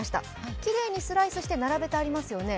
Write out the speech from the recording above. きれいにスライスして並べてありますよね。